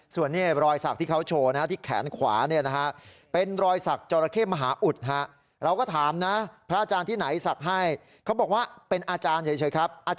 ซึ่งแม่มันเสียไปแล้วนะครับ